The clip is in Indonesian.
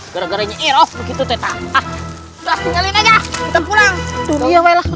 gara gara nyerok begitu teh tak